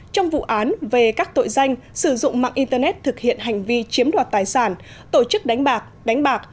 trong vụ án về các tội danh sử dụng mạng internet thực hiện hành vi chiếm đoạt tài sản tổ chức đánh bạc đánh bạc